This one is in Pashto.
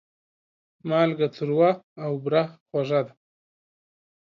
مالګه تروه او بوره خوږه ده.